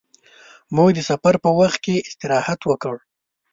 موږ د سفر په وخت کې استراحت وکړ.